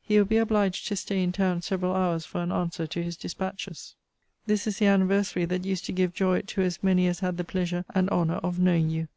He will be obliged to stay in town several hours for an answer to his dispatches. This is the anniversary that used to give joy to as many as had the pleasure and honour of knowing you.